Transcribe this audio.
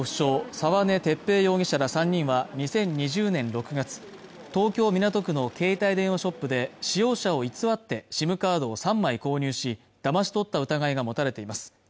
沢根鉄平容疑者ら３人は２０２０年６月東京港区の携帯電話ショップで使用者を偽ってＳＩＭカード３枚購入しだまし取った疑いが持たれています